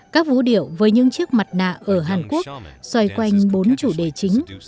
các vũ điệu với những chiếc mặt nạ ở hàn quốc xoay quanh bốn chủ đề chính